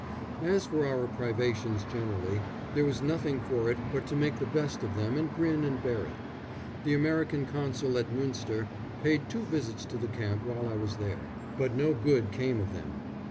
As for our privations generally, there was nothing for it but to make the best of them and grin and bear it. The American Consul at Münster paid two visits to the camp while I was there, but no good came of them.